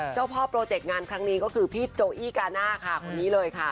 เจ้าพ่อโปรเจกต์งานครั้งนี้ก็คือพี่โจอี้กาหน้าค่ะ